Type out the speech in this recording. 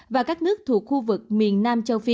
và các nước thuộc khu vực miền nam châu phi